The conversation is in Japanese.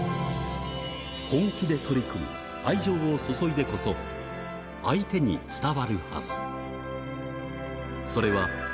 本気で取り組み、愛情を注いでこそ、相手に伝わるはず。